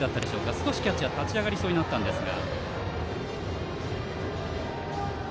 少しキャッチャー立ち上がりそうになったんですが。